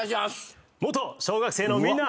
元小学生のみんな。